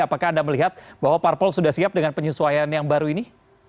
apakah anda melihat bahwa parpol sudah siap dengan penyesuaian yang baru ini